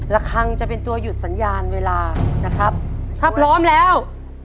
คังจะเป็นตัวหยุดสัญญาณเวลานะครับถ้าพร้อมแล้ว